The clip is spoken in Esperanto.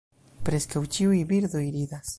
Preskaŭ ĉiuj birdoj ridas.